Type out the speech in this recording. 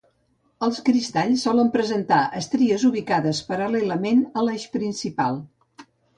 Els cristalls solen presentar estries ubicades paral·lelament a l'eix principal.